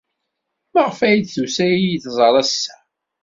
Maɣef ay d-tusa ad iyi-tẓer ass-a?